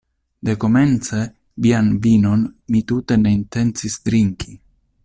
Dekomence vian vinon mi tute ne intencis drinki!